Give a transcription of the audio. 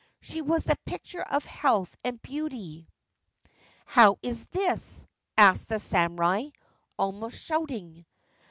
She was the picture of health and beauty. c How is this ?' asked the samurai, almost shouting.